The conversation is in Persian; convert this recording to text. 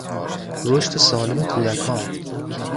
رشد سالم کودکان